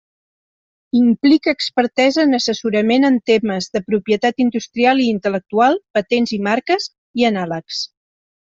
Implica expertesa en assessorament en temes de propietat industrial i intel·lectual, patents i marques, i anàlegs.